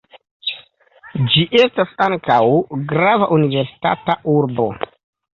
Ĝi estas ankaŭ grava universitata urbo.